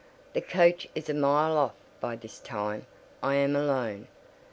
The coach is a mile off by this time; I am alone.